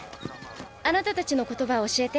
あなたたちの言葉を教えて。